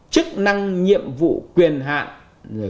chức năng nhiệm vụ quyền hạn